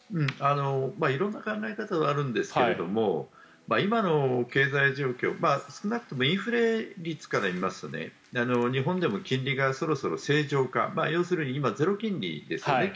色んな考え方はあるんですけれども今の経済状況、少なくともインフレ率から見ますと日本でも金利がそろそろ正常化要するに今、ゼロ金利ですよね